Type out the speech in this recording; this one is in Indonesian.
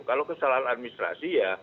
kalau kesalahan administrasi ya